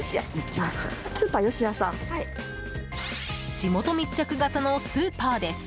地元密着型のスーパーです。